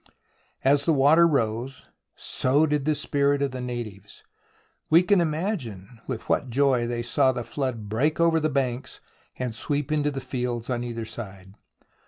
As the water rose, so did the spirits of the natives. We can imagine with what joy they saw the flood break over the banks and sweep into the fields on either side.